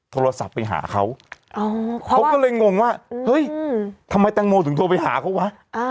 โทรศัพท์ไปหาเขาเขาก็เลยงงว่าเฮ้ยทำไมแตงโมถึงโทรไปหาเขาวะ